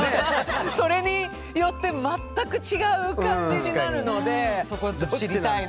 それによって全く違う感じになるのでそこを知りたい。